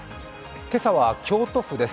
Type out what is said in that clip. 今朝は京都府です。